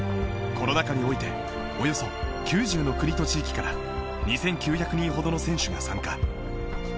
コロナ禍においておよそ９０の国と地域から２９００人ほどの選手が参加。